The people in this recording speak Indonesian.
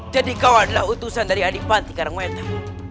jadi kau adalah utusan dari adipati karangwetan